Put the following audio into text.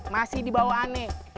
masih dibawa aneh